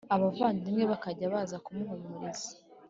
Abavandimwe be bakajya baza kumuhumuriza